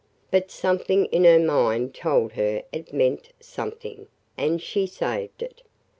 But something in her mind told her it meant something, and she saved it.